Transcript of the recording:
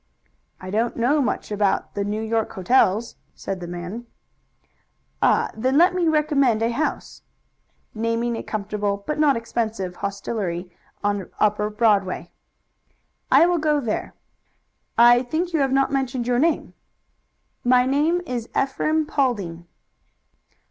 "I don't know much about the New York hotels." "Then let me recommend a house," naming a comfortable but not expensive hostelry on upper Broadway. "I will go there." "I think you have not yet mentioned your name." "My name is Ephraim Paulding."